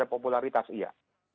terhadap popularitas iya